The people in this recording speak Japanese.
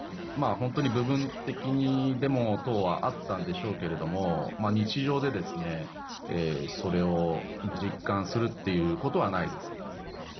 本当に部分的にデモ等はあったんでしょうけど、日常でそれを実感するっていうことはないです。